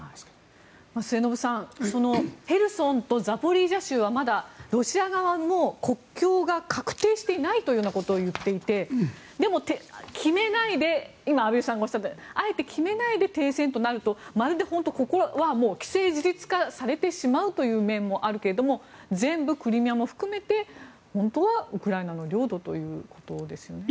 末延さん、ヘルソンとザポリージャ州はまだ、ロシア側も国境が画定していないということを言っていましてでも、畔蒜さんがおっしゃったあえて決めないで停戦となるとまるでここは既成事実化されてしまうという面もあるけれど全部クリミアも含め本当はウクライナ側の領土ということですよね。